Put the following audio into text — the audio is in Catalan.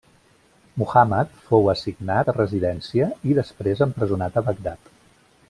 Muhammad fou assignat a residència i després empresonat a Bagdad.